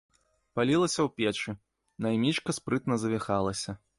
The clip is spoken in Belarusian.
Палілася ў печы, наймічка спрытна завіхалася.